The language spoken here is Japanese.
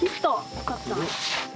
よかった。